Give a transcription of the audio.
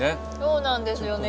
そうなんですよね。